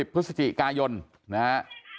พฤศจิกายนนะฮะ